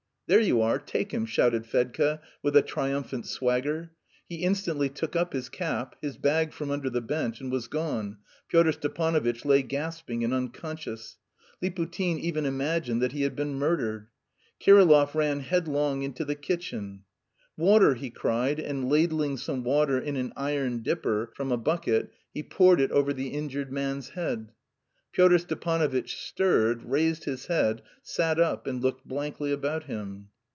"There you are; take him," shouted Fedka with a triumphant swagger; he instantly took up his cap, his bag from under the bench, and was gone. Pyotr Stepanovitch lay gasping and unconscious. Liputin even imagined that he had been murdered. Kirillov ran headlong into the kitchen. "Water!" he cried, and ladling some water in an iron dipper from a bucket, he poured it over the injured man's head. Pyotr Stepanovitch stirred, raised his head, sat up, and looked blankly about him.